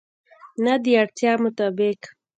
نه، د اړتیا مطابق